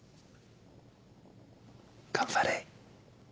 頑張れ。